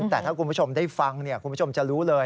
แต่ถ้าคุณผู้ชมได้ฟังคุณผู้ชมจะรู้เลย